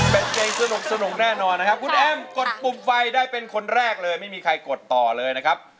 เป็นเพลงสนุกแน่นอนนะครับคุณแอมกดปุ่มไฟได้เป็นคนแรกเลยไม่มีใครกดต่อเลยนะครับ